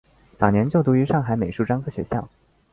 早年就读于于上海美术专科学校。